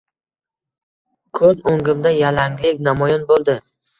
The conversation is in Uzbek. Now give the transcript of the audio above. Ko`z o`ngimda yalanglik namoyon bo`ldi